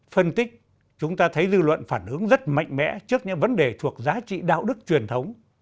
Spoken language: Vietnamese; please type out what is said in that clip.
phân tích chúng ta thấy dư luận phản ứng rất mạnh mẽ trước những vấn đề thuộc giá trị đạo đức truyền thống